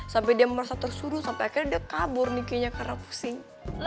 sampai dia merasa tersuruh sampai akhirnya dia kabur nih kayaknya karena pusing